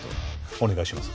お願いします